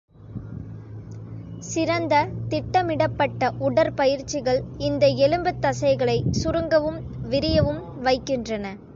சிறந்த, திட்டமிடப்பட்ட உடற்பயிற்சிகள், இந்த எலும்புத்தசைகளை சுருங்கவும் விரியவும் வைக்கின்றன.